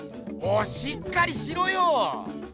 もうしっかりしろよ！